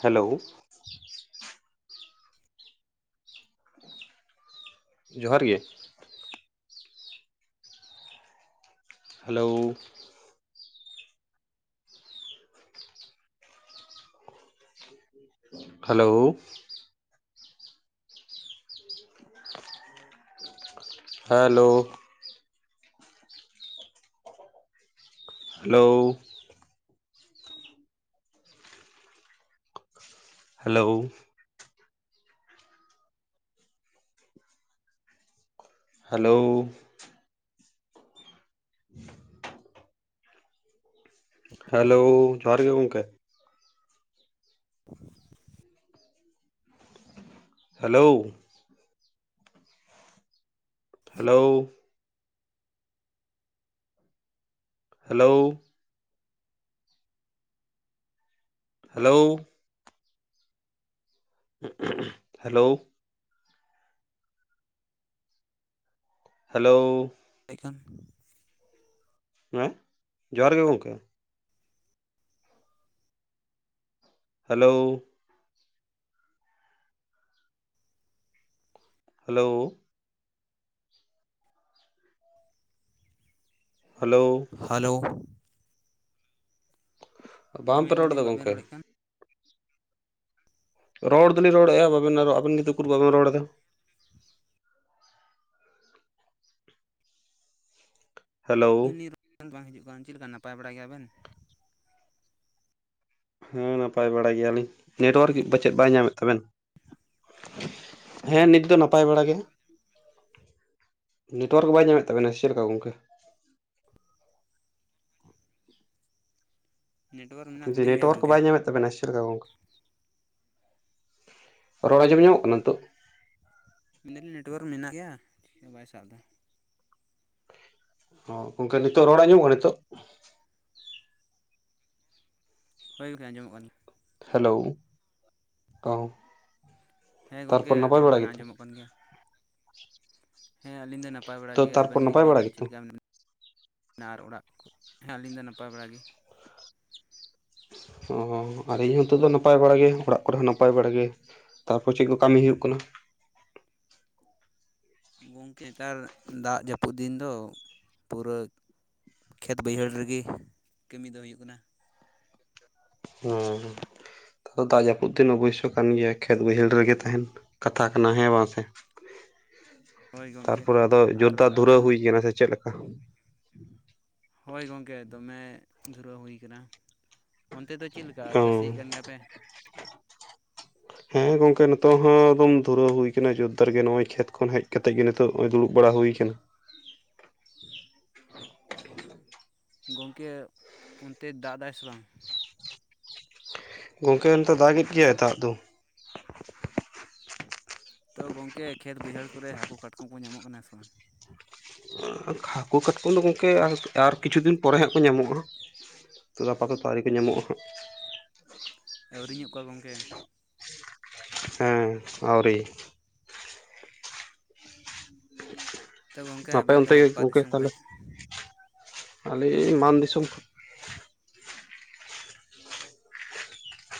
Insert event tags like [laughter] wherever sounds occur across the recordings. [inaudible] Hello. ᱡᱚᱦᱟᱨ ᱜᱮ ᱾ Hello. Hello. Hello. Hello. Hello. Hello. [inaudible] Hello, ᱡᱚᱦᱟᱨ ᱜᱮ ᱜᱚᱝᱠᱮ ᱾ [inaudible] Hello. Hello. Hello. Hello. [inaudible] Hello. Hello. ᱛᱮ ᱠᱷᱟᱱ ᱦᱮᱸ [inaudible] ᱡᱚᱦᱟᱨ ᱜᱮ ᱜᱚᱝᱠᱮ ᱾ ᱦᱮᱞᱳᱣ ᱾ ᱦᱮᱞᱳᱣ ᱾ ᱦᱮᱞᱳᱣ ᱾ ᱦᱟᱞᱳᱣ ᱾ ᱦᱮᱸ ᱵᱟᱝᱯᱮ ᱨᱚᱲ ᱮᱫᱟ ᱢᱮᱱᱫᱟᱞᱤᱧ ᱵᱟᱵᱮᱱ ᱜᱚᱢᱠᱮ ᱨᱚᱲᱮᱫ ᱠᱟᱱ? ᱨᱚᱲ ᱫᱚᱞᱤᱧ ᱨᱚᱲᱮᱫᱼᱟ ᱵᱟᱵᱮᱱ ᱟᱨ ᱟᱵᱮᱱ ᱜᱮᱛᱚ ᱩᱠᱩᱨ ᱵᱟᱵᱮᱱ ᱨᱚᱲ ᱮᱫᱟ ᱾ ᱦᱮᱞᱳ [unintelligible] ᱵᱟᱝ ᱦᱤᱡᱩᱜ ᱠᱟᱱ ᱪᱮᱫ ᱞᱮᱠᱟ ᱱᱟᱯᱟᱭ ᱵᱟᱲᱟᱭ ᱜᱮᱭᱟᱵᱮᱱ? ᱦᱮᱸ ᱱᱟᱯᱟᱭ ᱵᱟᱲᱟ ᱜᱮᱭᱟᱞᱤᱧ, ᱱᱮᱴᱚᱣᱟᱨᱠ ᱦᱮᱸ ᱯᱟᱪᱮᱫ ᱵᱟᱭ ᱧᱟᱢᱮᱫ ᱛᱟᱵᱮᱱ ᱾ [inaudible] ᱦᱮᱸ ᱱᱤᱛ ᱫᱚ ᱱᱟᱯᱟᱭ ᱵᱟᱲᱟ ᱜᱮ ᱾ ᱱᱮᱴᱳᱣᱟᱨᱠ ᱠᱚ ᱵᱟᱭ ᱧᱟᱢᱮᱫ ᱛᱟᱵᱤᱱᱟ ᱥᱮ ᱪᱮᱫ ᱞᱮᱠᱟ ᱜᱚᱝᱠᱮ? ᱱᱮᱴᱣᱟᱨᱠ ᱢᱮᱱᱟᱜ ᱡᱮ ᱛᱟᱹᱞᱤᱧ ᱜᱮᱭᱟ ᱱᱮᱴᱳᱣᱟᱨᱠ ᱠᱚ ᱜᱚᱝᱠᱮ ᱵᱟᱭ ᱧᱟᱢᱮᱫ ᱛᱟᱵᱮᱱᱟ ᱥᱮ ᱪᱮᱫ ᱞᱮᱠᱟ ᱜᱚᱝᱠᱮ? ᱨᱚᱲ ᱟᱸᱡᱚᱢ ᱧᱟᱢᱚᱜ ᱠᱟᱱᱟ ᱱᱤᱛᱚᱜ? ᱢᱮᱱ ᱫᱟᱞᱤᱧ ᱱᱮᱴᱳᱣᱟᱨᱠ ᱢᱮᱱᱟᱜ ᱜᱮᱭᱟ ᱵᱟᱭ ᱥᱟᱵ ᱫᱟ ᱾ ᱦᱚᱸ ᱜᱚᱝᱠᱮ ᱱᱤᱛᱚᱜ ᱨᱚᱲ ᱟᱸᱡᱚᱢᱚᱜ ᱠᱟᱱᱟ ᱱᱤᱛᱚᱜ? ᱦᱳᱭ ᱜᱚᱝᱠᱮ ᱟᱸᱡᱚᱢᱚᱜ ᱠᱟᱱᱟ ᱾ ᱦᱮᱞᱳᱣ [unintelligible] ᱾ ᱦᱮᱸ ᱜᱚᱝᱠᱮ ᱨᱚᱲ ᱵᱮᱱ ᱟᱸᱡᱚᱢᱚᱜ ᱠᱟᱱ ᱜᱮᱭᱟ ᱾ ᱦᱮᱸ ᱟᱹᱞᱤᱧ ᱫᱚ ᱱᱟᱯᱟᱭ ᱵᱟᱲᱟ ᱛᱚ ᱜᱮ, ᱟᱵᱮᱱ ᱛᱟᱨᱯᱚᱨ ᱜᱮ ᱱᱟᱯᱟᱭ ᱞᱟᱹᱭ ᱵᱟᱲᱟ ᱵᱮᱱ ᱪᱮᱫ ᱜᱮᱛᱚ? ᱞᱮᱠᱟ ᱢᱮᱱᱟᱜ ᱟᱨ ᱚᱲᱟᱜ ᱠᱩ ᱦᱮᱸ ᱟᱹᱞᱤᱧ ᱫᱚ ᱱᱟᱯᱟᱭ ᱵᱟᱲᱟ ᱜᱮ ᱾ ᱚ, ᱟᱨ ᱤᱧ ᱦᱚᱸ ᱱᱤᱛᱚᱜ ᱫᱚ ᱱᱟᱯᱟᱭ ᱵᱟᱲᱟ ᱜᱮ ᱚᱲᱟᱜ ᱠᱚᱨᱮ ᱦᱚᱸ ᱱᱟᱯᱟᱭ ᱵᱟᱲᱟ ᱜᱮ ᱾ ᱛᱟᱨᱯᱚᱨ ᱪᱮᱫ ᱠᱚ ᱠᱟᱹᱢᱤ ᱦᱩᱭᱩᱜ ᱠᱟᱱᱟ? ᱜᱚᱝᱠᱮ ᱱᱮᱛᱟᱨ ᱫᱟᱜ ᱡᱟᱹᱯᱩᱫ ᱫᱤᱱ ᱫᱚ ᱯᱩᱨᱟᱹ ᱠᱷᱮᱛ ᱵᱟᱹᱭᱦᱟᱹᱲ ᱨᱮᱜᱮ ᱠᱟᱹᱢᱤ ᱫᱚ ᱦᱩᱭᱩᱜ ᱠᱟᱱᱟ ᱾ ᱦᱩᱸ ᱫᱟᱜ ᱡᱟᱯᱩᱫ ᱫᱤᱱ ᱚᱵᱚᱥᱥᱚᱭ ᱠᱟᱱ ᱜᱮᱭᱟ ᱠᱷᱮᱛ ᱵᱟᱹᱭᱦᱟᱹᱲ ᱨᱮᱜᱮ ᱛᱟᱦᱮᱱ ᱠᱟᱛᱷᱟ ᱠᱟᱱᱟ ᱦᱮ ᱵᱟᱝ ᱥᱮ? ᱦᱳᱭ ᱜᱚᱝᱠᱮ ᱛᱟᱨᱯᱚᱨᱮ ᱟᱫᱚ ᱟᱨ ᱡᱳᱨᱫᱟᱨ ᱟᱵᱮᱱ ᱫᱷᱩᱨᱟᱹᱣ ᱦᱩᱭ ᱟᱠᱟᱱᱟ ᱥᱮ ᱪᱮᱫ ᱞᱮᱠᱟ? ᱦᱳᱭ ᱜᱚᱢᱠᱮ ᱫᱚᱢᱮ ᱫᱷᱩᱨᱟᱹᱣ ᱦᱩᱭ ᱠᱟᱱᱟ ᱚᱱᱛᱮ ᱫᱚ ᱪᱮᱫ ᱞᱮᱠᱟ ᱚ ᱪᱟᱹᱥᱤᱭᱮᱜ ᱠᱟᱱ ᱜᱮᱭᱟ ᱯᱮ? ᱦᱮᱸ ᱜᱚᱝᱠᱮ ᱱᱤᱛᱚᱜ ᱦᱚᱸ ᱮᱠᱫᱚᱢ ᱫᱷᱩᱨᱟᱹᱣ ᱦᱩᱭ ᱟᱠᱟᱱᱟ ᱡᱳᱨᱫᱟᱨ ᱜᱮ ᱱᱚᱜ-ᱚᱭ ᱠᱷᱮᱛ ᱠᱷᱚᱱ ᱦᱮᱡ ᱠᱟᱛᱮᱜ ᱜᱮ ᱱᱤᱛᱳᱜ ᱱᱚᱜ-ᱚᱭ ᱫᱩᱲᱩᱵ ᱵᱟᱲᱟ ᱦᱩᱭ ᱟᱠᱟᱱᱟ ᱾ ᱜᱚᱢᱠᱮ ᱚᱱᱛᱮ ᱫᱟᱜ ᱮᱫᱟᱭ ᱥᱮ ᱵᱟᱝ? ᱜᱚᱢᱠᱮ ᱱᱚᱛᱮ ᱫᱟᱜ ᱮᱫ ᱜᱮᱭᱟᱭ ᱫᱟᱜ ᱫᱚ ᱾ ᱛᱚ ᱜᱚᱝᱠᱮ ᱠᱷᱮᱛ ᱵᱟᱹᱭᱦᱟᱹᱲ ᱠᱚᱨᱮ ᱦᱟᱹᱠᱩ ᱠᱟᱴᱠᱚᱢ ᱠᱚ ᱧᱟᱢᱚᱜ ᱠᱟᱱᱟ ᱥᱮ ᱵᱟᱝ? [unintelligible] ᱦᱟᱹᱠᱩ ᱠᱟᱴᱠᱚᱢ ᱫᱚ ᱜᱚᱢᱠᱮ ᱟᱨ ᱠᱤᱪᱷᱩ ᱫᱤᱱ ᱯᱚᱨᱮ ᱦᱟᱸᱜ ᱠᱚ ᱧᱟᱢᱚᱜᱼᱟ ᱾ ᱱᱤᱛᱚ ᱫᱚ ᱟᱯᱟᱛᱚᱛᱚ ᱟᱣᱨᱤ ᱠᱚ ᱧᱟᱢᱚᱜᱼᱟ ᱦᱟᱸᱜ ᱾ ᱟᱹᱣᱨᱤ ᱧᱚᱜ ᱠᱚᱣᱟ ᱜᱚᱢᱠᱮ? ᱦᱮᱸ ᱟᱹᱣᱨᱤ ᱾ ᱛᱚ ᱜᱚᱝᱠᱮ ᱟᱯᱮ ᱟᱵᱮᱱ ᱫᱚ ᱚᱱᱛᱮ ᱜᱮ ᱚᱠᱟ ᱜᱚᱝᱠᱮ ᱫᱤᱥᱚᱢ ᱠᱷᱚᱡ ᱛᱟᱦᱚᱞᱮ? ᱟᱞᱤᱧ ᱢᱟᱱ ᱫᱤᱥᱚᱢ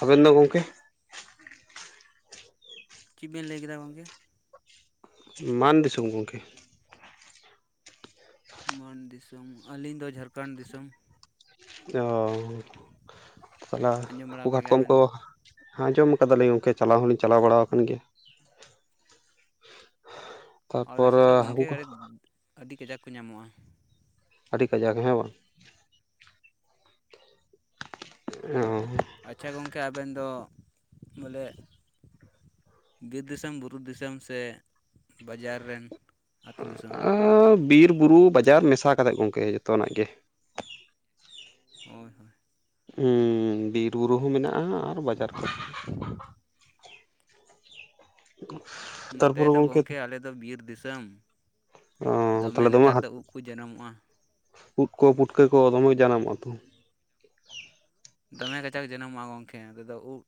ᱟᱵᱮᱱ ᱫᱚ ᱜᱚᱢᱠᱮ? ᱪᱮᱫ ᱵᱮᱱ ᱞᱟᱹᱭ ᱠᱮᱫᱟ ᱜᱚᱝᱠᱮ? ᱢᱟᱱ ᱫᱤᱥᱚᱢ ᱜᱚᱢᱠᱮ ᱾ ᱢᱟᱱ ᱫᱤᱥᱚᱢ, ᱟᱹᱞᱤᱧ ᱫᱚ ᱡᱷᱟᱲᱠᱷᱚᱸᱰ ᱫᱤᱥᱚᱢ ᱾ ᱚᱻ ᱛᱟᱞᱟ ᱟᱸᱡᱚᱢ ᱵᱟᱲᱟ ᱦᱟᱹᱠᱩ ᱟᱠᱟᱫ ᱠᱟᱴᱠᱚᱢ ᱜᱮᱭᱟᱵᱮᱱ ᱠᱚ ᱦᱸᱡᱚᱢ ᱟᱠᱟᱫᱟᱞᱤᱧ ᱜᱚᱢᱠᱮ ᱪᱟᱞᱟᱣ ᱦᱚᱞᱤᱧ ᱪᱟᱞᱟᱣ ᱵᱟᱲᱟ ᱟᱠᱟᱱ ᱜᱮᱭᱟ ᱾ ᱟᱞᱮ ᱛᱟᱨᱯᱚᱨ ᱥᱮᱫ ᱫᱚ ᱦᱟᱹᱠᱩ ᱜᱚᱢᱠᱮ ᱠᱚ ᱟᱹᱰᱤ ᱟᱹᱰᱤ ᱠᱟᱡᱟᱠ ᱠᱚ ᱧᱟᱢᱚᱜᱼᱟ ᱾ ᱟᱹᱰᱤ ᱠᱟᱡᱟᱠ ᱦᱮᱸ ᱵᱟᱝ? ᱚ ᱾ ᱟᱪᱪᱷᱟ ᱜᱚᱢᱠᱮ ᱟᱵᱮᱱ ᱫᱚ ᱵᱚᱞᱮ ᱵᱤᱨ ᱫᱤᱥᱚᱢ, ᱵᱩᱨᱩ ᱫᱤᱥᱚᱢ, ᱥᱮ ᱵᱟᱡᱟᱨ ᱨᱮᱱ? ᱟᱹᱛᱩ ᱫᱤᱥᱚᱢ ᱟᱸ ᱵᱤᱨ ᱵᱩᱨᱩ ᱵᱟᱡᱟᱨ ᱢᱮᱥᱟ ᱠᱟᱛᱮᱫ ᱜᱚᱝᱠᱮ ᱡᱚᱛᱚᱱᱟᱜ ᱜᱮ ᱾ ᱦᱳᱭ ᱦᱳᱭ ᱾ ᱦᱩᱸ ᱵᱤᱨᱵᱩᱨᱩ ᱦᱚᱸ ᱢᱮᱱᱟᱜᱼᱟ ᱟᱨ ᱵᱟᱡᱟᱨ ᱠᱚᱨᱮ ᱦᱚᱸ ᱾ ᱱᱚᱛᱮ ᱛᱟᱨᱯᱚᱨᱮ ᱫᱚ ᱜᱚᱝᱠᱮ ᱜᱚᱢᱠᱮ ᱟᱞᱮ ᱫᱚ ᱵᱤᱨ ᱫᱤᱥᱚᱢ ᱾ ᱚ ᱫᱚᱢᱮ ᱛᱟᱦᱚᱞᱮ ᱱᱮᱛᱟᱨ ᱦᱟᱹᱛᱤ ᱫᱚ ᱩᱵ ᱠᱚ ᱡᱚᱱᱢᱚᱜᱼᱟ ᱾ ᱩᱫ ᱠᱚ ᱯᱩᱴᱠᱟᱹ ᱠᱚ ᱫᱚᱢᱮ ᱠᱚ ᱡᱟᱱᱟᱢᱚᱜ-ᱟ ᱛᱚ ᱾ ᱫᱚᱢᱮ ᱠᱟᱪᱟᱠ ᱡᱟᱱᱟᱢᱚᱜᱼᱟ ᱜᱚᱢᱠᱮ ᱛᱟᱞᱮ ᱫᱚ ᱫᱚ ᱩᱵ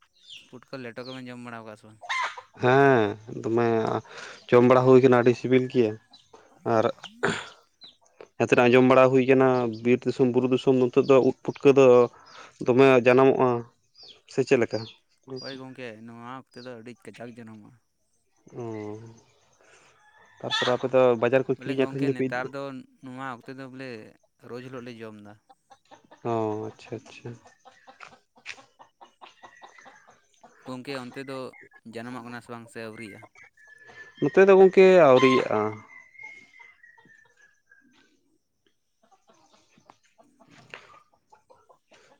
ᱯᱩᱴᱠᱟᱹ ᱞᱮᱴᱚ ᱠᱚᱵᱮᱱ ᱡᱚᱢ ᱵᱟᱲᱟ ᱟᱠᱟᱜ-ᱟ ᱥᱮ ᱵᱟᱝ? ᱦᱮᱸ ᱫᱚᱢᱮ ᱡᱚᱢ ᱵᱟᱲᱟ ᱦᱩᱭ ᱠᱟᱱᱟ ᱟᱹᱰᱤ ᱥᱤᱵᱤᱞ ᱜᱮᱭᱟ ᱟᱨ [unintelligible] ᱟᱸᱡᱚᱢ ᱵᱟᱲᱟ ᱦᱩᱭ ᱠᱟᱱᱟ ᱵᱤᱨ ᱫᱤᱥᱚᱢ ᱵᱩᱨᱩ ᱫᱤᱥᱚᱢ ᱱᱤᱛᱚᱜ ᱫᱚ ᱩᱫ ᱯᱩᱴᱠᱟᱹ ᱫᱚ ᱫᱚᱢᱮ ᱡᱟᱱᱟᱢᱚᱜᱼᱟ [inaudible] ᱥᱮ ᱪᱮᱫ ᱞᱮᱠᱟ? ᱦᱳᱭ ᱜᱚᱢᱠᱮ ᱱᱚᱣᱟ ᱚᱠᱛᱮ ᱫᱚ ᱟᱹᱰᱤ ᱠᱟᱡᱟᱠ ᱡᱟᱱᱟᱢᱚᱜᱼᱟ ᱾ [inaudible] ᱛᱟᱯᱚᱨ ᱟᱯᱮ ᱫᱚ ᱵᱟᱡᱟᱨ ᱠᱚ ᱵᱚᱞᱮ ᱠᱤᱨᱤᱧ ᱜᱚᱝᱠᱮ ᱟᱠᱷᱨᱤᱧ ᱫᱚᱯᱮ ᱤᱫᱤ ᱱᱮᱛᱟᱨ ᱫᱚ ᱱᱚᱣᱟ ᱚᱠᱛᱮ ᱫᱚ ᱵᱚᱞᱮ ᱨᱳᱡᱽ ᱦᱤᱞᱳᱜ ᱞᱮ ᱡᱚᱢ ᱮᱫᱟ ᱾ ᱚ ᱟᱪᱪᱷᱟ ᱟᱪᱪᱷᱟ ᱾ ᱜᱚᱢᱠᱮ ᱚᱱᱛᱮ ᱫᱚ ᱡᱟᱱᱟᱢᱚᱜ ᱠᱟᱱᱟ ᱥᱮ ᱵᱟᱝ ᱥᱮ ᱟᱹᱣᱨᱤᱜᱼᱟ? ᱱᱚᱛᱮ ᱫᱚ ᱜᱚᱢᱠᱮ ᱟᱹᱣᱨᱤᱭᱟᱜᱼᱟ ᱾ ᱚ ᱾ [inaudible]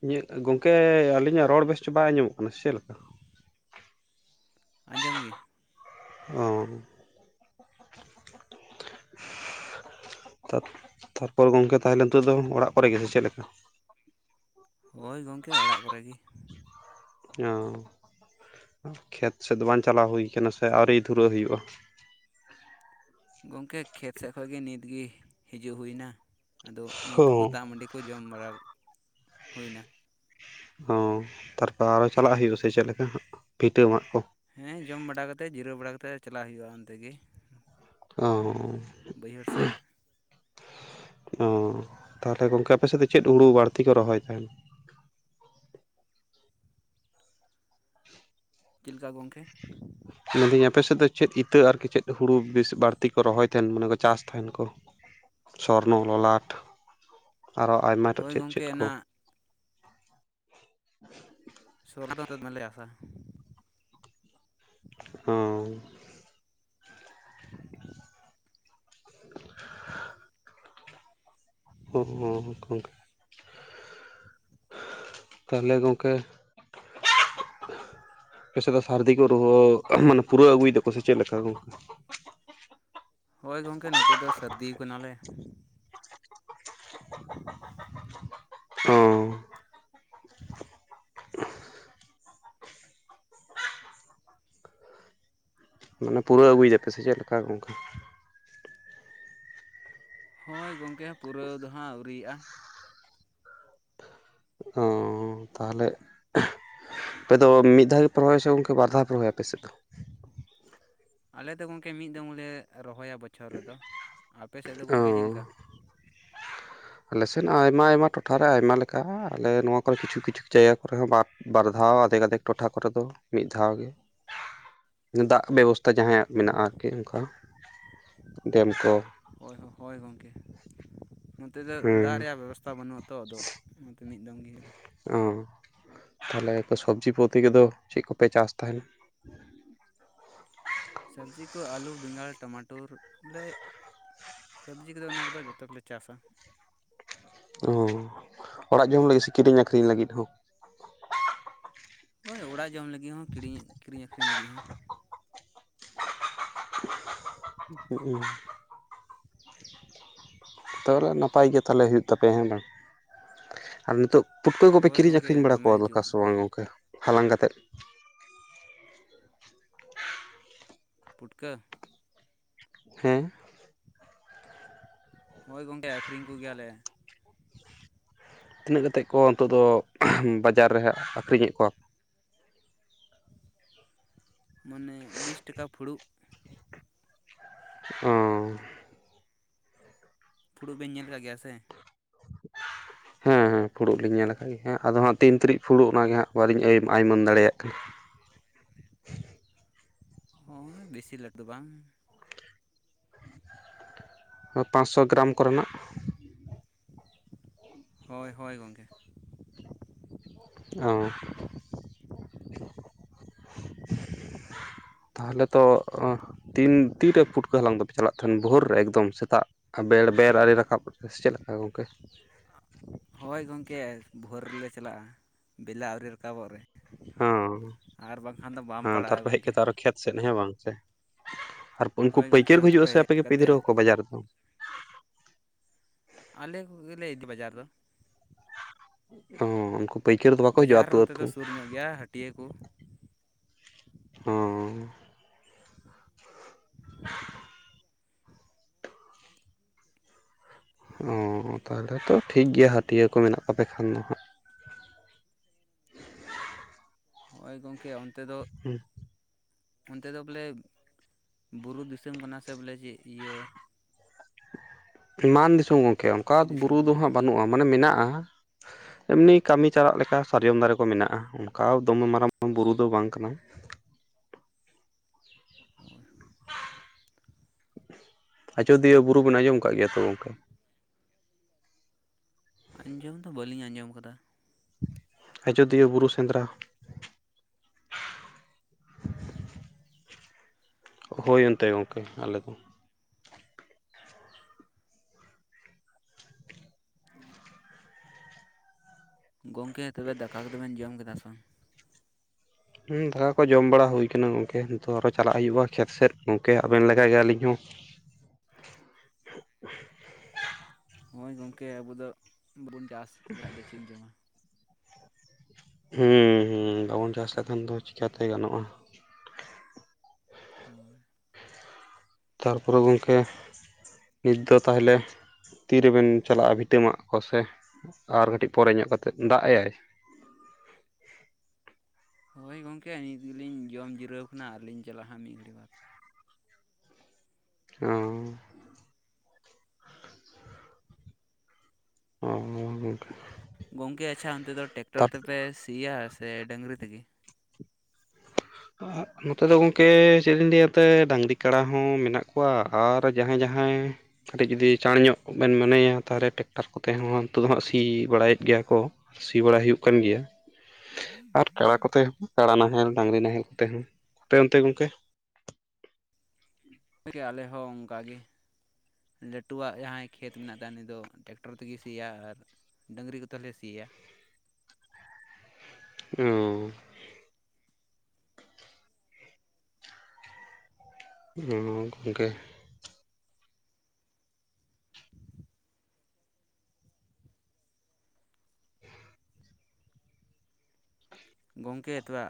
ᱤᱧᱟᱹᱜ ᱜᱚᱝᱠᱮ ᱟᱹᱞᱤᱧᱟᱜ ᱨᱚᱲ ᱵᱮᱥ ᱴᱷᱤᱠ ᱵᱟᱭ ᱟᱸᱡᱚᱢᱚᱜ ᱠᱟᱱᱟ ᱪᱮᱫ ᱞᱮᱠᱟ? ᱟᱸᱡᱚᱢ ᱜᱮ ᱾ ᱚ ᱾ [inaudible] ᱛᱟᱯᱚᱨ ᱜᱚᱝᱠᱮ ᱛᱟᱦᱮᱞᱮ ᱱᱤᱛᱳᱜ ᱫᱚ ᱚᱲᱟᱜ ᱠᱚᱨᱮ ᱜᱮ ᱥᱮ ᱪᱮᱫ ᱞᱮᱠᱟ? ᱦᱳᱭ ᱜᱚᱝᱠᱮ ᱚᱲᱟᱜ ᱠᱚᱨᱮ ᱜᱮ ᱾ ᱚ ᱾ [inaudible] ᱠᱷᱮᱛ ᱥᱮᱫ ᱫᱚ ᱵᱟᱝ ᱪᱟᱞᱟᱣ ᱦᱩᱭ ᱟᱠᱟᱱᱟ ᱥᱮ ᱟᱹᱣᱨᱤ ᱫᱷᱩᱨᱟᱹᱜ ᱦᱩᱭᱩᱜᱼᱟ? ᱜᱚᱝᱠᱮ ᱠᱷᱮᱛ ᱥᱮᱫ ᱠᱷᱚᱱ ᱜᱮ ᱱᱤᱛ ᱜᱮ ᱦᱤᱡᱩᱜ ᱦᱩᱭ ᱮᱱᱟ ᱾ ᱟᱫᱚ ᱱᱤᱛ ᱚ ᱠᱚ ᱫᱟᱜ ᱢᱟᱺᱰᱤ ᱠᱚ ᱡᱚᱢ ᱵᱟᱲᱟ [inaudible] ᱦᱩᱭ ᱮᱱᱟ ᱾ ᱚ ᱛᱟᱨᱯᱚᱨ ᱟᱨᱚ ᱪᱟᱞᱟᱜ ᱦᱩᱭᱩᱜᱼᱟ ᱥᱮ ᱪᱮᱫ ᱞᱮᱠᱟ ᱦᱟᱜ [unintelligible] ᱠᱚ? ᱦᱮᱸ ᱡᱚᱢ ᱵᱟᱲᱟ ᱠᱟᱛᱮ ᱡᱤᱨᱟᱹᱣ ᱵᱟᱲᱟ ᱠᱟᱛᱮ ᱪᱟᱞᱟᱜ ᱦᱩᱭᱩᱜᱼᱟ ᱚᱱᱛᱮ ᱜᱮ ᱾ ᱚᱻ ᱾ ᱵᱟᱹᱭᱦᱟᱹᱲ ᱥᱮᱫ ᱚᱻ ᱛᱟᱦᱚᱞᱮ ᱜᱚᱝᱠᱮ ᱟᱯᱮ ᱥᱮᱫ ᱫᱚ ᱪᱮᱫ ᱦᱩᱲᱩ ᱵᱟᱹᱲᱛᱤ ᱠᱚ ᱨᱚᱦᱚᱭ ᱛᱟᱦᱮᱱᱟ? ᱪᱮᱫ ᱞᱮᱠᱟ ᱜᱚᱝᱠᱮ? ᱢᱮᱱᱫᱟᱹᱧ ᱟᱯᱮ ᱥᱮᱫ ᱫᱚ ᱪᱮᱫ ᱤᱛᱟᱹ ᱟᱨᱠᱤ ᱪᱮᱫ ᱦᱩᱲᱩ ᱵᱮᱥ ᱵᱟᱹᱲᱛᱤ ᱠᱚ ᱨᱚᱦᱚᱭ ᱛᱟᱦᱮᱱ, ᱢᱟᱱᱮ ᱠᱚ ᱪᱟᱥ ᱛᱟᱦᱮᱱ ᱠᱚ ᱾ ᱥᱚᱨᱱᱚ ᱞᱚᱞᱟᱴ [inaudible] ᱟᱨᱚ ᱟᱭᱢᱟ ᱦᱳᱭ ᱪᱮᱫ ᱜᱚᱢᱠᱮ ᱪᱮᱫ ᱠᱚ ᱚᱱᱟ ᱾ [unintelligible] ᱟᱥᱟ ᱾ ᱚ ᱾ [inaudible] [unintelligible] [inaudible] ᱛᱟᱦᱚᱞᱮ ᱜᱚᱝᱠᱮ [inaudible] [inaudible] ᱟᱯᱮ ᱥᱮᱫ ᱫᱚ ᱥᱟᱹᱨᱫᱤ ᱠᱚ [unintelligible] ᱢᱟᱱᱮ ᱯᱩᱨᱟᱹᱣ ᱟᱹᱜᱩᱭ ᱮᱫᱟ ᱠᱚ ᱥᱮ ᱪᱮᱫ ᱞᱮᱠᱟ ᱜᱚᱝᱠᱮ? ᱦᱳᱭ ᱜᱚᱝᱠᱮ ᱱᱚᱛᱮ ᱫᱚ ᱥᱟᱹᱨᱫᱤ ᱟᱠᱟᱱᱟ ᱞᱮ ᱾ ᱚ ᱾ ᱢᱟᱱᱮ ᱯᱩᱨᱟᱹᱣ ᱟᱹᱜᱩᱭ ᱮᱫᱟ ᱯᱮ ᱥᱮ ᱪᱮᱫ ᱞᱮᱠᱟ ᱜᱚᱝᱠᱮ? ᱱᱚᱸᱜᱼᱚᱭ ᱜᱚᱝᱠᱮ ᱦᱟᱸᱜ ᱯᱩᱨᱟᱹᱣ ᱫᱚ ᱦᱟᱸᱜ ᱟᱹᱣᱨᱤᱭᱟᱜᱼᱟ ᱾ ᱚᱸᱻ ᱾ ᱛᱟᱦᱚᱞᱮ [inaudible] ᱟᱯᱮᱫᱚ ᱢᱤᱫ ᱫᱷᱟᱣ ᱜᱮᱯᱮ ᱨᱚᱦᱚᱭᱟ ᱥᱮ ᱜᱚᱝᱠᱮ ᱵᱟᱨ ᱫᱷᱟᱣ ᱯᱮ ᱨᱚᱦᱚᱭᱟ ᱟᱯᱮ ᱥᱮᱫ ᱫᱚ? ᱟᱞᱮ ᱫᱚ ᱜᱚᱝᱠᱮ ᱢᱤᱫ ᱫᱚᱢ ᱞᱮ ᱨᱚᱦᱚᱭᱟ ᱵᱚᱪᱷᱚᱨ ᱨᱮᱫᱚ ᱾ ᱟᱯᱮ ᱥᱮᱫ ᱫᱚ ᱚ ᱜᱚᱝᱠᱮ ᱪᱮᱫ ᱞᱮᱠᱟ? ᱟᱞᱮᱥᱮᱫ ᱦᱚ ᱟᱭᱢᱟ ᱟᱭᱢᱟ ᱴᱚᱴᱷᱟ ᱨᱮ ᱟᱭᱢᱟ ᱞᱮᱠᱟ ᱦᱟᱜ, ᱟᱞᱮ ᱱᱚᱣᱟ ᱠᱚᱨᱮ ᱠᱤᱪᱷᱩ ᱠᱤᱪᱷᱩ ᱡᱟᱭᱜᱟ ᱠᱚᱨᱮ ᱦᱚᱸ ᱵᱟ ᱵᱟᱨ ᱫᱷᱟᱣ ᱟᱫᱷᱮᱠ ᱟᱫᱷᱮᱠ ᱴᱚᱴᱷᱟ ᱠᱚᱨᱮ ᱫᱚ ᱢᱤᱫ ᱫᱷᱟᱣ ᱜᱮ ᱾ ᱫᱟᱜ ᱵᱮᱵᱚᱥᱛᱷᱟ ᱡᱟᱦᱟᱸᱭᱟᱜ ᱢᱮᱱᱟᱜᱼᱟ ᱟᱨᱠᱤ ᱚᱱᱠᱟ [inaudible] ᱰᱮᱢ ᱠᱚ ᱾ ᱦᱳᱭ ᱦᱳᱭ ᱜᱚᱝᱠᱮ ᱱᱚᱛᱮ ᱫᱚ ᱦᱮᱸ ᱫᱟᱜ ᱨᱮᱭᱟᱜ ᱵᱮᱵᱚᱥᱛᱷᱟ ᱵᱟᱹᱱᱩᱜ ᱟᱛᱚ, ᱟᱫᱚ ᱚᱱᱟᱛᱮ ᱢᱤᱫ ᱫᱚᱢ ᱜᱮ ᱦᱩᱭᱩᱜᱼᱟ ᱾ ᱚ ᱛᱟᱦᱚᱞᱮ ᱥᱚᱵᱽᱡᱤ ᱯᱚᱛᱤ, ᱠᱟᱫᱚ ᱪᱮᱫ ᱠᱚᱯᱮ ᱪᱟᱥ ᱛᱟᱦᱮᱱᱟ? ᱥᱚᱵᱽᱡᱤ ᱠᱚ ᱟᱹᱞᱩ, ᱵᱮᱸᱜᱟᱲ, ᱴᱚᱢᱮᱴᱚᱨ ᱵᱚᱞᱮ ᱥᱚᱵᱽᱡᱤ ᱠᱚᱫᱚ ᱚᱱᱟ ᱠᱚᱫᱚ, ᱡᱚᱛᱚ ᱜᱮᱞᱮ ᱪᱟᱥᱟ᱾ ᱚ ᱚᱲᱟᱜ ᱡᱚᱢ ᱞᱟᱹᱜᱤᱫ ᱥᱮ, ᱠᱤᱨᱤᱧ ᱟᱹᱠᱷᱨᱤᱧ ᱞᱟᱹᱜᱤᱫ ᱦᱚᱸ? ᱦᱳᱭ ᱚᱲᱟᱜ ᱡᱚᱢ ᱞᱟᱹᱜᱤᱫ ᱦᱚᱸ, ᱠᱤᱨᱤᱧ ᱠᱤᱨᱤᱧ ᱟᱠᱠᱷᱨᱤᱧ ᱞᱟᱹᱜᱤᱫ ᱦᱚᱸ᱾ ᱦᱩᱜ ᱩ ᱛᱚ ᱵᱚᱞᱮ ᱱᱟᱯᱟᱭ ᱜᱮ ᱛᱟᱦᱚᱞᱮ ᱦᱳᱭᱳᱜ ᱛᱟᱯᱮᱭᱟ, ᱦᱮᱸ ᱵᱟᱝ ᱟᱨ ᱱᱤᱛᱚᱜ? ᱯᱩᱴᱠᱟᱹ ᱠᱚᱯᱮ ᱦᱳᱭ ᱠᱤᱨᱤᱧ ᱜᱚᱢᱠᱮ ᱟᱹᱠᱷᱨᱤᱧ ᱵᱟᱲᱟ ᱫᱚᱢᱮ ᱠᱚᱣᱟ ᱞᱮᱠᱟ ᱦᱤᱡᱩᱜ ᱥᱮ ᱵᱟᱝ, ᱦᱩᱭᱩᱜᱼᱟ ᱜᱚᱝᱠᱮ ᱦᱟᱞᱟᱝ ᱠᱟᱛᱮᱫ? ᱯᱩᱴᱠᱟᱹ ᱦᱮᱸ, ᱦᱳᱭ ᱜᱚᱝᱠᱮ ᱟᱠᱷᱨᱤᱧ ᱠᱚᱜᱮᱭᱟᱞᱮ᱾ ᱛᱤᱱᱟᱹᱜ ᱠᱟᱛᱮᱫ ᱠᱚ ᱱᱤᱛᱚᱜ ᱫᱚ, ᱵᱟᱡᱟᱨ ᱨᱮ ᱦᱟᱜ ᱟᱹᱠᱷᱨᱤᱧᱮᱫ ᱠᱚᱣᱟ ᱠᱚ? ᱢᱟᱱᱮ ᱵᱤᱥ ᱴᱟᱠᱟ ᱯᱷᱩᱲᱩᱜ᱾ ᱚ, ᱯᱷᱩᱲᱩᱜ ᱵᱮᱱ ᱧᱮᱞ ᱠᱟᱜ ᱜᱮᱭᱟ ᱥᱮ? ᱦᱮᱸ ᱦᱮᱸ ᱯᱷᱩᱲᱩᱜ ᱞᱤᱧ ᱧᱮᱞ ᱠᱟᱫ ᱜᱮᱭᱟ, ᱦᱮᱸ ᱟᱫᱚ ᱦᱟᱸᱜ ᱛᱤᱱ ᱛᱩᱨᱤᱡ ᱯᱷᱩᱲᱩᱜ ᱚᱱᱟ ᱜᱮ ᱦᱟᱸᱜ ᱵᱟ. ᱞᱤᱧ ᱟᱭᱩᱢᱟᱹᱱ ᱫᱟᱲᱮᱭᱟᱜ ᱠᱟᱱᱟ᱾ ᱵᱟ. ᱧ ᱫᱟᱲᱟᱭᱟᱜ ᱛᱟᱦᱮᱫ [inaudible] [unintelligible] ᱦᱳᱭ ᱵᱮᱥᱤ ᱞᱟᱹᱠ ᱫᱚ ᱵᱟᱝ᱾ ᱯᱟᱸᱥᱥᱳ ᱜᱨᱟᱢ ᱠᱚ ᱨᱮᱱᱟᱜ᱾ ᱦᱳᱭ, ᱦᱳᱭ, ᱜᱚᱝᱠᱮ᱾ ᱚ ᱛᱟᱦᱞᱮ ᱛᱚ ᱚ ᱛᱤᱱ ᱛᱤᱨᱮ ᱯᱷᱩᱴᱠᱟᱹ ᱦᱟᱞᱟᱝ ᱫᱚᱯᱮ ᱪᱟᱞᱟᱜ ᱛᱟᱦᱮᱱ, ᱵᱷᱳᱨ ᱨᱮ ᱮᱠᱫᱚᱢ ᱥᱮᱛᱟᱜ ᱵᱮᱲ ᱵᱮᱨ ᱟᱹᱣ ᱨᱤᱱ ᱨᱟᱠᱟᱵ? ᱱᱮᱥ ᱪᱮᱫ ᱞᱮᱠᱟ ᱜᱚᱝᱠᱮ? ᱦᱳᱭ ᱜᱚᱝᱠᱮ ᱵᱷᱳᱨ ᱨᱮᱞᱮ ᱪᱟᱞᱟᱜᱼᱟ, ᱵᱮᱞᱟ ᱟᱹᱣᱨᱤ ᱨᱟᱠᱟᱵᱚᱜ ᱨᱮ᱾ ᱦᱚᱸ ᱟᱨ ᱵᱟᱝᱠᱷᱟᱱ ᱫᱚ ᱵᱟᱢ ᱦᱮᱸ, ᱯᱟᱲᱟᱜᱼᱟ ᱛᱟᱨᱯᱚᱨᱮ ᱦᱮᱡ ᱜᱚᱢᱠᱮ ᱠᱟᱛᱮᱫ ᱟᱨᱚ ᱠᱷᱮᱛ ᱥᱮᱫ, ᱦᱮᱸ ᱵᱟᱝ ᱥᱮ? ᱩᱱᱠᱩ ᱦᱳᱭ ᱜᱚᱢᱠᱮ ᱯᱟᱹᱭᱠᱟᱹᱨ ᱠᱚ ᱚᱱᱛᱮ ᱦᱤᱡᱩᱜᱼᱟ ᱠᱷᱚᱡ ᱥᱮ, ᱦᱮᱡ ᱟᱯᱮᱜᱮᱯᱮ ᱤᱫᱤᱴᱚ ᱠᱟᱛᱮᱫ ᱠᱟᱠᱚᱣᱟ ᱠᱚ ᱵᱟᱡᱟᱨ ᱨᱮᱫᱚ? ᱟᱞᱮ ᱠᱚᱜᱮᱞᱮ ᱤᱫᱤ ᱵᱟᱡᱟᱨ ᱫᱚ᱾ ᱚᱸ ᱩᱱᱠᱩ ᱯᱟᱹᱭᱠᱟᱹᱨ ᱫᱚ ᱵᱟᱠᱚ ᱦᱤᱡᱩᱜᱼᱟ ᱵᱟᱡᱟᱨ ᱦᱚ ᱟᱹᱛᱩ ᱱᱚᱛᱮ ᱟᱹᱛᱩ ᱫᱚ ᱥᱩᱨ ᱧᱚᱜ ᱜᱮᱭᱟ, ᱦᱟᱹᱴᱤᱭᱟᱹᱟᱹ ᱠᱚ᱾ ᱦᱚᱸ᱾ ᱦᱚᱸ ᱛᱟᱦᱚᱞᱮ ᱛᱚ ᱴᱷᱤᱠ ᱜᱮᱭᱟ, ᱦᱟᱹᱴᱤᱭᱟᱹ ᱠᱚ ᱢᱮᱱᱟᱜ ᱛᱟᱯᱮ ᱠᱷᱟᱱ ᱫᱚ ᱦᱟᱸᱜ᱾ ᱦᱚᱜᱼᱚᱭ ᱜᱚᱢᱠᱮ ᱚᱱᱛᱮ ᱫᱚ ᱦᱩᱸ, ᱚᱱᱛᱮ ᱫᱚ ᱵᱚᱞᱮ ᱵᱩᱨᱩ ᱫᱤᱥᱚᱢ ᱠᱟᱱᱟ, ᱥᱮ ᱵᱚᱞᱮ ᱪᱮᱫ ᱤᱭᱟᱹ ᱢᱟᱱ ᱫᱤᱥᱚᱢ ᱜᱚᱢᱠᱮ ᱚᱱᱠᱟ ᱪᱮᱫ ᱫᱤᱥᱚᱢ ᱵᱩᱨᱩ ᱠᱟᱱ ᱫᱚ, ᱛᱟᱯᱮᱭᱟ ᱦᱟᱸᱜ ᱵᱟᱹᱱᱩᱜᱼᱟ ᱢᱟᱱᱮ ᱢᱮᱱᱟᱜᱼᱟ᱾ ᱮᱢᱱᱤ ᱠᱟᱹᱢᱤ ᱪᱟᱞᱟᱜ ᱞᱮᱠᱟ ᱥᱟᱨᱡᱚᱢ ᱫᱟᱨᱮ ᱠᱚ ᱢᱮᱱᱟᱜᱼᱟ, ᱚᱱᱠᱟ ᱫᱚᱢᱮ ᱢᱟᱨᱟᱝ ᱵᱩᱨᱩ ᱫᱚ ᱵᱟᱝ ᱠᱟᱱᱟ᱾ ᱦᱳᱭ, ᱦᱳᱭ᱾ ᱟᱡᱚᱫᱤᱭᱟᱹ ᱵᱩᱨᱩᱵᱮᱱ ᱟᱡᱚᱢ ᱠᱟᱫ ᱜᱮᱭᱟ ᱛᱚ ᱜᱚᱝᱠᱮ? ᱟᱸᱡᱚᱢ ᱫᱚ ᱵᱟᱹᱞᱤᱧ ᱟᱸᱡᱚᱢ ᱠᱟᱫᱟ᱾ ᱟᱡᱳᱫᱤᱭᱟᱹ ᱵᱩᱨᱩ ᱥᱮᱸᱫᱽᱨᱟ ᱚ [inaudible] [unintelligible] ᱦᱳᱭ ᱮᱱᱛᱮ ᱜᱚᱢᱠᱮ ᱟᱞᱮᱫᱚ᱾ ᱜᱚᱝᱠᱮ ᱛᱚᱵᱮ ᱫᱟᱠᱟ ᱠᱚᱫᱚᱵᱮᱱ ᱡᱚᱢ ᱠᱮᱫᱟ ᱥᱮ ᱵᱟᱝ? ᱫᱟᱠᱟ ᱠᱚ ᱡᱚᱢ ᱵᱟᱲᱟ ᱦᱳᱭ ᱠᱟᱱᱟ, ᱜᱚᱢᱠᱮ ᱱᱤᱛᱚᱜ ᱟᱨᱚ ᱪᱟᱞᱟᱜ ᱦᱳᱭᱳᱜᱼᱟ ᱠᱷᱮᱛ ᱥᱮᱫ ᱜᱚᱢᱠᱮ ᱟᱵᱮᱱ ᱞᱮᱠᱟ ᱜᱮ ᱟᱹᱞᱤᱧ ᱦᱚᱸ᱾ ᱦᱚᱺᱭ ᱜᱚᱝᱠᱮ, ᱟᱵᱚ ᱫᱚ ᱵᱚᱵᱚᱱ ᱪᱟᱥ ᱞᱮᱠᱷᱟᱡ ᱫᱚ ᱪᱮᱜ ᱮᱢ ᱡᱚᱢᱟ? ᱦᱚᱸ-ᱦᱚᱸ, ᱵᱟᱵᱚᱱ ᱪᱟᱥ ᱞᱮᱠᱷᱟᱱ ᱫᱚ ᱪᱮᱠᱟᱛᱮ ᱜᱟᱱᱚᱜᱼᱟ? ᱦᱳᱭ᱾ ᱛᱟᱨᱯᱚᱨᱮ ᱜᱚᱝᱠᱮ, ᱱᱤᱛ ᱫᱚ ᱛᱟᱦᱞᱮ ᱛᱤᱨᱮᱹᱵᱮᱹᱱ ᱪᱟᱞᱟᱜᱼᱟ ᱵᱷᱤᱴᱟᱹ ᱢᱟᱜ ᱠᱚ ᱥᱮ ᱟᱨ ᱠᱟᱹᱴᱤᱜ ᱯᱚᱨᱮ ᱧᱚᱜ ᱠᱟᱛᱮᱫ ᱫᱟᱜ ᱮᱭᱟᱭ? ᱦᱳᱭ ᱜᱚᱝᱠᱮ, ᱧᱤᱛ ᱜᱤᱞᱤᱧ ᱡᱚᱢ ᱡᱤᱨᱟᱹᱣ ᱠᱟᱱᱟ ᱟᱨᱞᱤᱧ ᱪᱟᱞᱟᱜ ᱦᱟᱸᱜ ᱢᱤᱜ ᱜᱷᱟᱹᱲᱤᱜ ᱵᱟᱫᱽ᱾ ᱚᱸ᱾ ᱚᱸ ᱣᱚᱝᱠᱟ! ᱜᱚᱝᱠᱮ ᱟᱪᱷᱟ, ᱚᱱᱛᱮ ᱫᱚ ᱴᱮᱠᱴᱚᱨ ᱛᱮᱯᱮ ᱥᱤᱭᱟ ᱥᱮ ᱰᱟᱹᱝᱨᱤ ᱛᱮᱹᱜᱮᱹ? ᱱᱚᱛᱮ ᱫᱚ ᱜᱚᱝᱠᱮ, ᱪᱮᱜ ᱞᱤᱧ ᱞᱟᱹᱭᱟ ᱮᱛᱮ ᱰᱟᱝᱨᱤ, ᱠᱟᱲᱟ ᱦᱚᱸ ᱢᱮᱱᱟᱜ ᱠᱚᱣᱟ ᱟᱨ ᱡᱟᱦᱟᱸ-ᱡᱟᱦᱟᱸᱭ ᱠᱟᱹᱴᱤᱡ ᱡᱩᱫᱤ ᱪᱟᱬ ᱧᱚᱜ ᱵᱮᱱ ᱢᱚᱱᱮᱭᱟ ᱛᱟᱦᱞᱮ ᱴᱮᱠᱴᱟᱨ ᱠᱚᱛᱮ ᱦᱚᱸ ᱛᱳᱜ ᱫᱚ ᱦᱟᱸᱜ ᱥᱤ ᱵᱟᱲᱟᱭᱮᱜ ᱜᱮᱭᱟ ᱠᱚ᱾ ᱥᱤ ᱵᱟᱲᱟ ᱦᱩᱭᱩᱜ ᱠᱟᱱ ᱜᱮᱭᱟ ᱟᱨ ᱠᱟᱲᱟ ᱠᱚᱛᱮ, ᱠᱟᱲᱟ ᱱᱟᱦᱮᱞ, ᱰᱟᱝᱨᱤ ᱱᱟᱦᱮᱞ ᱛᱮ ᱦᱚᱸ᱾ ᱯᱮ ᱚᱱᱛᱮ ᱜᱚᱝᱠᱮ? ᱛᱮᱜᱮ ᱟᱞᱮ ᱦᱚᱸ ᱚᱝᱠᱟᱜ ᱜᱮ᱾ ᱞᱟᱹᱴᱩᱣᱟᱜ ᱡᱟᱦᱟᱸᱭ ᱠᱷᱮᱛ ᱢᱮᱱᱟᱜ ᱛᱟ ᱩᱱᱤ ᱫᱚ ᱴᱮᱠᱴᱚᱨ ᱛᱮᱜᱮ ᱥᱤᱭᱟ ᱟᱨ ᱰᱟᱹᱝᱨᱤ ᱠᱚᱛᱮ ᱞᱮ ᱥᱤᱭᱟ᱾ ᱦᱩᱶ᱾ ᱚᱸ ᱜᱚᱝᱠᱮ᱾ ᱜᱚᱝᱠᱮ, ᱮᱛᱣᱟᱜ